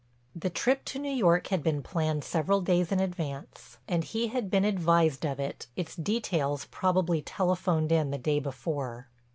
The trip to New York had been planned several days in advance and he had been advised of it, its details probably telephoned in the day before.